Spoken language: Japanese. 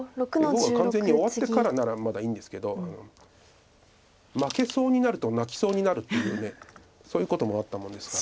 碁が完全に終わってからならまだいいんですけど負けそうになると泣きそうになるっていうそういうこともあったもんですから。